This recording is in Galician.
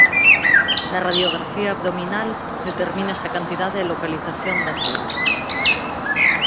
Na radiografía abdominal determínase a cantidade e localización das bulsas.